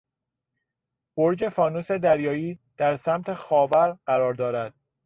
برج فانوس دریایی در سمت خاور قرار دارد.